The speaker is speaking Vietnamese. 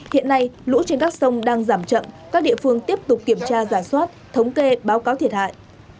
hiện nay lũ trên các sông đang giảm chậm các địa phương tiếp tục kiểm tra giả soát thống kê báo cáo thiệt hại